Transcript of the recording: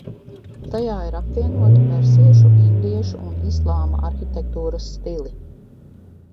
Tajā ir apvienoti persiešu, indiešu un islāma arhitektūras stili.